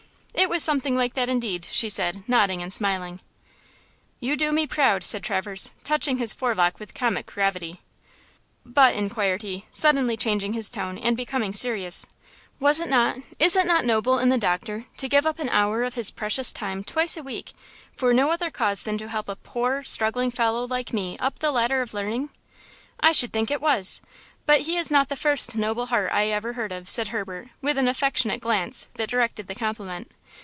"It was something like that, indeed," she said, nodding and smiling. "You do me proud!" said Traverse, touching his forelock with comic gravity. "But," inquired he, suddenly changing his tone and becoming serious, "was it not–is it not–noble in the doctor to give up an hour of his precious time twice a week for no other cause than to help a poor, struggling fellow like me up the ladder of learning?" "I should think it was! But he is not the first noble heart I ever heard of!" said Herbert, with an affectionate glance that directed the compliment.